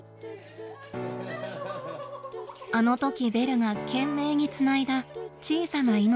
あのときベルが懸命につないだ小さな命。